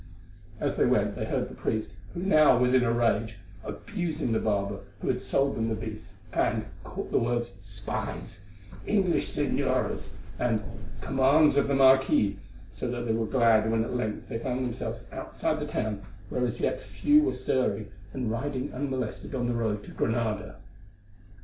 As they went they heard the priest, who now was in a rage, abusing the barber who had sold them the beasts, and caught the words "Spies," "English señoras," and "Commands of the Marquis," so that they were glad when at length they found themselves outside the town, where as yet few were stirring, and riding unmolested on the road to Granada.